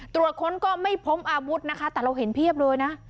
ตรวจค้นก็ไม่พบอาวุธนะคะแต่เราเห็นเพียบเลยนะ